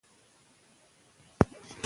زه سبا سهار ورزش کولو پلان لرم.